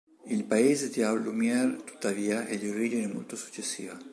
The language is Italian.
Il paese di Allumiere tuttavia è di origine molto successiva.